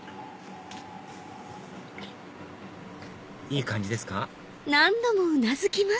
いい感じですか？